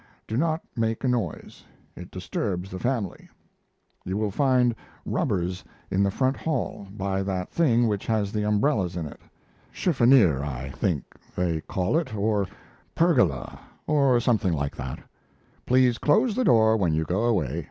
Do not make a noise, it disturbs the family. You will find rubbers in the front hall, by that thing which has the umbrellas in it, chiffonnier, I think they call it, or pergola, or something like that. Please close the door when you go away!